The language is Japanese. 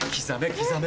刻め。